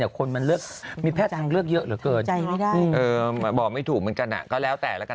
แล้วคนมันเลิกมีแพทย์งานเลือกเยอะเหลือเกินแบบบอกให้ถูกแม่งกันแล้วก็แล้วแตกแล้วกัน